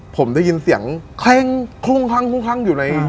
ผมได้ยินเสียงแคล้งคลุ้ง